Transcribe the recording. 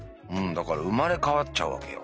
だから生まれ変わっちゃうわけよ。